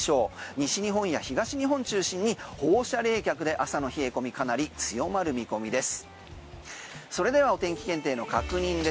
西日本や東日本中心に放射冷却で朝の冷え込みかなり強まる見込みです。